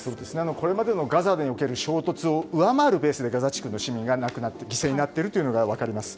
これまでのガザにおける衝突を上回るベースでガザ地区の市民が犠牲になっているというのが分かります。